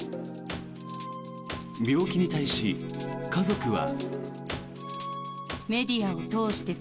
病気に対し、家族は。